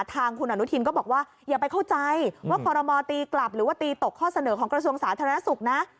ทางคุณอนุทินก็บอกว่าอย่าไปเข้าใจว่าคอรมอตีกลับหรือว่าตีตกข้อเสนอของกระทรวงสาธารณสุขนะ